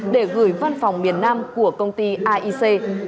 để gửi văn phòng miền nam của công ty aic